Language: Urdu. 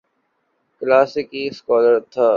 کلاسیکی سکالر تھا۔